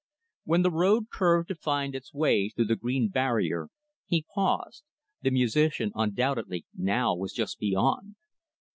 Where the road curved to find its way through the green barrier he paused the musician, undoubtedly, now, was just beyond.